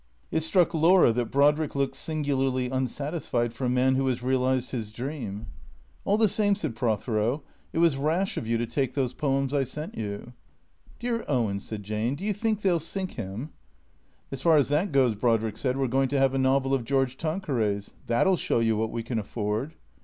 It struck Laura that Brodrick looked singularly unsatisfied for a man who has realized his dream. " All the same," said Prothero, " it was rash of you to take those poems I sent you." "Dear Owen/' said Jane, "do you think they'll sink him?" " As far as that goes," Brodrick said, " we 're going to have a novel of George Tanqueray's. That '11 show you what we can afford."